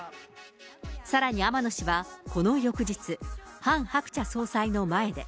さらに天野氏は、この翌日、ハン・ハクチャ総裁の前で。